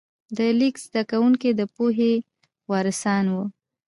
د لیک زده کوونکي د پوهې وارثان وو.